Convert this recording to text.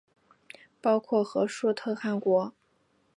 包括和硕特汗国。